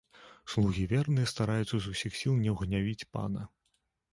Слугі верныя стараюцца з усіх сіл не ўгнявіць пана.